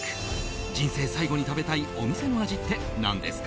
人生最後に食べたいお店の味って何ですか？